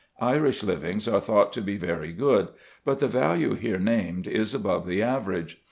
Irish livings are thought to be very good, but the value here named is above the average.